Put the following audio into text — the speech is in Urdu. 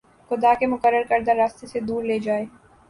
خدا کے مقرر کردہ راستے سے دور لے جائے